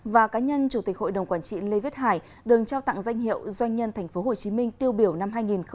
và cá nhân chủ tịch hội đồng quản trị lê viết hải đừng trao tặng danh hiệu doanh nhân tp hcm tiêu biểu năm hai nghìn một mươi chín